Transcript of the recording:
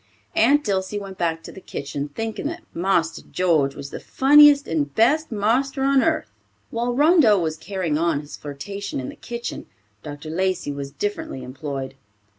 Aunt Dilsey went back to the kitchen, thinking that "Marster George was the funniest and best marster on earth." While Rondeau was carrying on his flirtation in the kitchen, Dr. Lacey was differently employed.